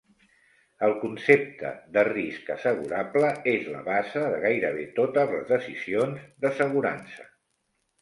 El concepte de risc assegurable és la base de gairebé totes les decisions d'assegurança.